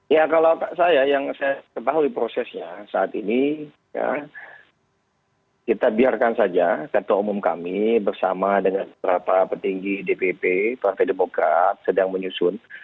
ya kalau saya yang saya ketahui prosesnya saat ini kita biarkan saja ketua umum kami bersama dengan beberapa petinggi dpp partai demokrat sedang menyusun